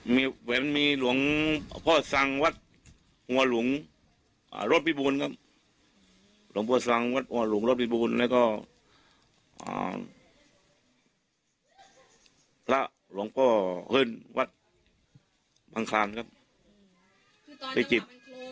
คือตอนจังหวัดเป็นโครมมาเนี่ยเรานั่งอยู่ตรงนี้เราขนลุกเลยไหม